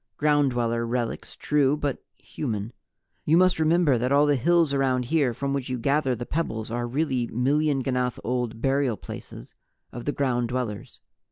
Ground Dweller relics, true, but human. You must remember that all the hills around here from which you gather the pebbles are really million ganath old burial places of the Ground Dwellers.